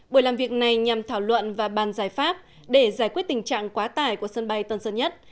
buổi làm việc này nhằm thảo luận và bàn giải pháp để giải quyết tình trạng quá tải của sân bay tân sơn nhất